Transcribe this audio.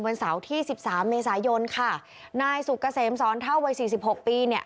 เสาร์ที่สิบสามเมษายนค่ะนายสุกเกษมสอนเท่าวัยสี่สิบหกปีเนี่ย